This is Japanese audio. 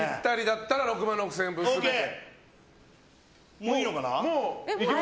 もういいのかな？